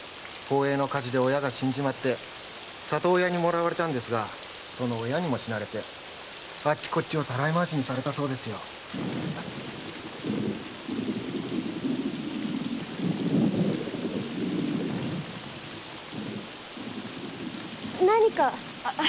宝永の火事で親が死んで里親にもらわれたんですがその親にも死なれてあっちこっちをたらい回しにされたそうですよ。何か？